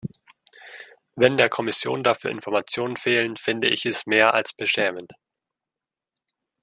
Wenn der Kommission dafür Informationen fehlen, finde ich es mehr als beschämend.